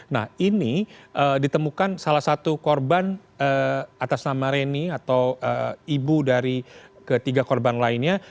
nah ini ditemukan salah satu korban atas nama reni atau ibu dari ketiga korban lainnya